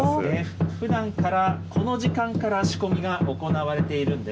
ふだんから、この時間から仕込みが行われているんです。